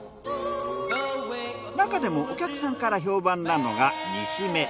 中でもお客さんから評判なのが煮しめ。